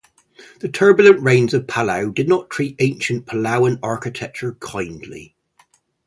The turbulent rains of Palau did not treat ancient Palaun architecture kindly.